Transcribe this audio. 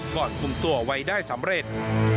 ก่อนคุมตัวไว้ได้สำเร็จ